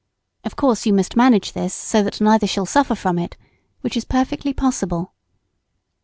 Of course you must manage this so that neither shall suffer from it, which is perfectly possible.